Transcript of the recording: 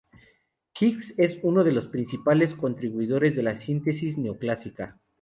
Hicks es uno de los principales contribuidores de la síntesis neoclásica.